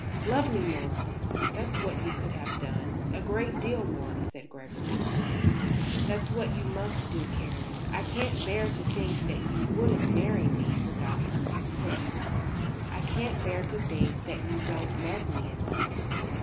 "Love me more; that's what you could have done a great deal more," said Gregory. "That's what you must do, Karen. I can't bear to think that you wouldn't marry me without her consent. I can't bear to think that you don't love me enough.